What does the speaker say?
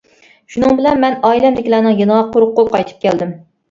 شۇنىڭ بىلەن مەن ئائىلەمدىكىلەرنىڭ يېنىغا قۇرۇق قول قايتىپ كەلدىم.